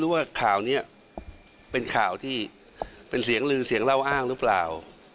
ว่าข่าวนี้เป็นข่าวที่เป็นเสียงลือเสียงเล่าอ้างหรือเปล่า